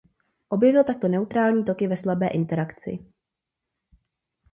Objevil takto neutrální toky ve slabé interakci.